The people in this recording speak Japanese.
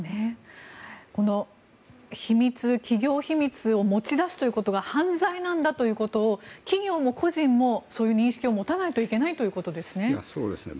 この企業秘密を持ち出すということが犯罪なんだということを企業も個人もそういう認識を持たないといけないということですね。